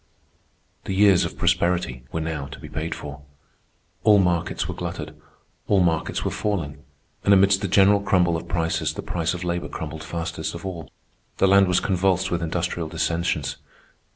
The years of prosperity were now to be paid for. All markets were glutted; all markets were falling; and amidst the general crumble of prices the price of labor crumbled fastest of all. The land was convulsed with industrial dissensions.